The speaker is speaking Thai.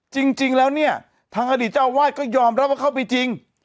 จริงแล้วเนี่ยทางอดีตเจ้าอาวาสก็ยอมรับว่าเข้าไปจริง